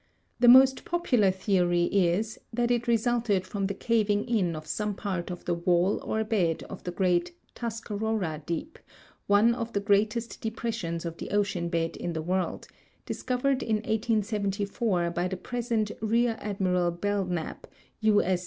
The most ]3opular theory is that it resulted from the caving in of some part of the wall or bed of the great " Tuscarora Deep," one of the greatest depressions of the ocean bed in tbe world, discovered in 1874 by the present Rear Admiral Belknap, U. S.